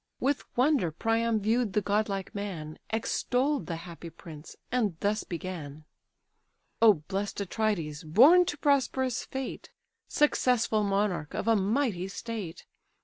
With wonder Priam view'd the godlike man, Extoll'd the happy prince, and thus began: "O bless'd Atrides! born to prosperous fate, Successful monarch of a mighty state!